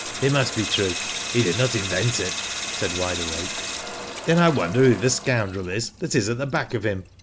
It must be true. He did not invent it," said Wide Awake. "Then I wonder who the scoundrel is that is at the back of him